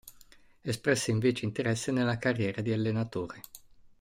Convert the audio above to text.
Espresse invece interesse nella carriera di allenatore.